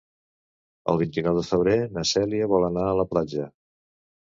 El vint-i-nou de febrer na Cèlia vol anar a la platja.